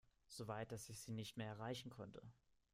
So weit, dass sie ihn nicht mehr erreichen konnte.